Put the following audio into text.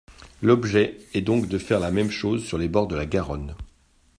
L’objet est donc de faire la même chose sur les bords de la Garonne.